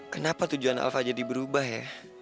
kenapa tujuan alfa jadi berubah ya